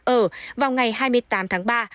ở vào ngày hai mươi tám tháng ba